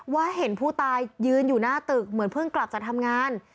เห็นผู้ตายยืนอยู่หน้าตึกเหมือนเพิ่งกลับจากทำงาน